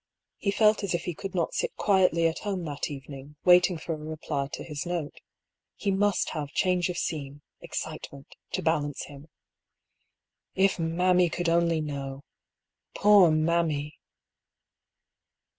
He felt as if he could not sit quietly at home that evening, waiting for a reply to his note. He must have change of scene, excitement, to balance him. If mammy could only know ! Poor " mammy